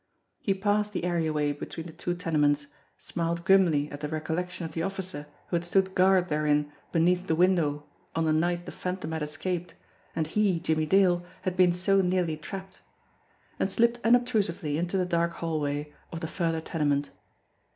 He passed the areaway be tween the two tenements, smiled grimly at the recollection of the officer who had stood guard therein beneath the win dow on the night the Phantom had escaped and he, Jimmie Dale, had been so nearly trapped, and slipped unobtrusively into the dark hallway of the further tenement.